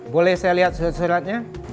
boleh saya lihat suratnya